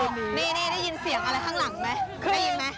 นี่ได้ยินเ฼ียงอะไรข้างหลังไหม